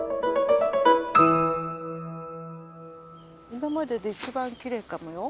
今までで一番きれいかもよ。